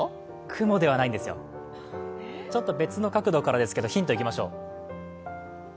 雲ではないんですよ、ちょっと別の角度からですけどヒントいきましょう。